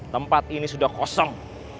tempat ini sudah kosong